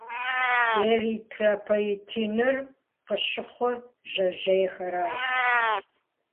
Эритропоетиныр къыщыхъур жьэжьейхэращ.